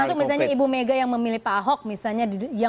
termasuk misalnya ibu mega yang memilih pak ahok misalnya